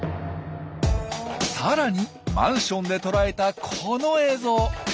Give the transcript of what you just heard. さらにマンションで捉えたこの映像。